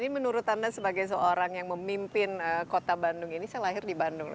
menurut anda sebagai seorang yang memimpin kota bandung ini saya lahir di bandung